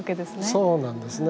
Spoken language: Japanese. そうなんですね。